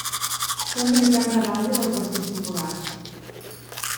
Fou militant de base del Partit Popular.